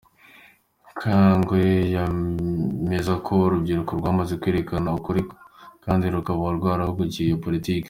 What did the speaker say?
Kangwagye yemeza ko urubyiruko rwamaze kwerekwa ukuri kandi rukaba rwarahagurukiye iyo politiki.